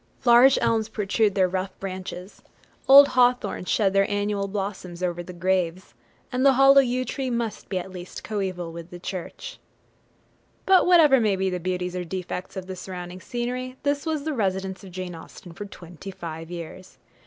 Large elms protrude their rough branches; old hawthorns shed their annual blossoms over the graves; and the hollow yew tree must be at least coeval with the church. [Steventon Manor House: ManorHouse.jpg] But whatever may be the beauties or defects of the surrounding scenery, this was the residence of Jane Austen for twenty five years.